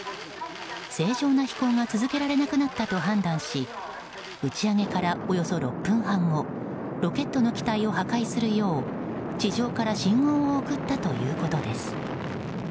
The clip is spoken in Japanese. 正常な飛行が続けられなくなったと判断し打ち上げからおよそ６分半後ロケットの機体を爆発するよう地上から信号を送ったということです。